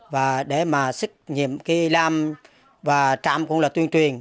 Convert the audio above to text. và để mà xức nhiệm cái lam và trạm cũng là tuyên truyền